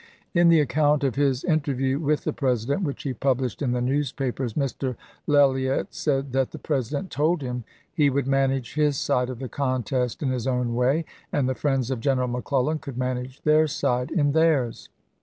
In the account of his interview with the President, which he published in the news papers, Mr. Lellyett said that the President told him he would manage his side of the contest in his own way, and the friends of General McClellan could manage their side in theirs.